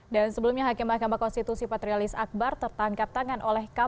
dan sebelumnya hakim mahkamah konstitusi patrialis akbar tertangkap tangan oleh kpk